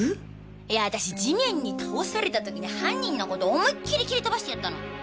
地面に倒されたとき犯人のこと思いっきり蹴飛ばしてやったの。